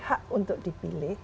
hak untuk dipilih